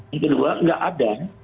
yang kedua nggak ada